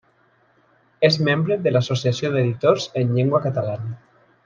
És membre de l'Associació d'Editors en Llengua Catalana.